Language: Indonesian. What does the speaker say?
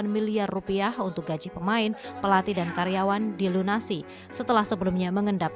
tujuh delapan miliar rupiah untuk gaji pemain pelatih dan karyawan di lunasi setelah sebelumnya mengendap